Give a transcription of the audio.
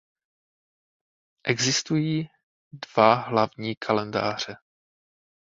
Existují dva hlavní kalendáře.